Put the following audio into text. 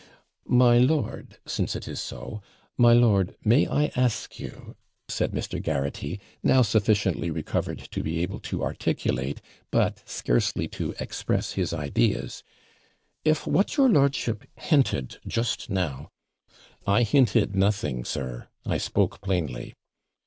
'My lord, since it is so my lord, may I ask you,' said Mr. Garraghty, now sufficiently recovered to be able to articulate, but scarcely to express his ideas; 'if what your lordship hinted just now ' 'I hinted nothing, sir; I spoke plainly.'